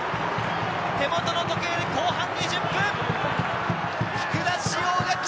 手元の時計で後半２０分。